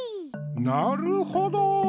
なるほど！